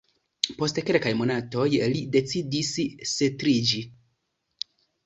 Post kelkaj monatoj li decidis setliĝi.